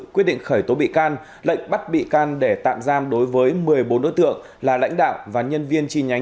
quyết định khởi tố bị can lệnh bắt bị can để tạm giam đối với một mươi bốn đối tượng là lãnh đạo và nhân viên chi nhánh